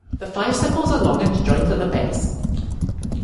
The five sepals are long and joined at the base.